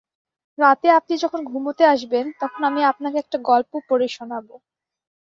রাতে আপনি যখন ঘুমুতে আসবেন তখন আমি আপনাকে একটা গল্প পড়ে শোনাব।